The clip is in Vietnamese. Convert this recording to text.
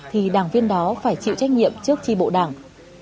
thì đảng viên đó phải chịu trách nhiệm trước tri bộ đảng